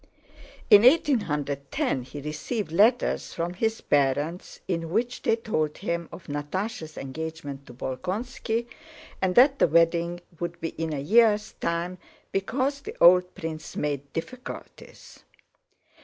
In 1810 he received letters from his parents, in which they told him of Natásha's engagement to Bolkónski, and that the wedding would be in a year's time because the old prince made difficulties.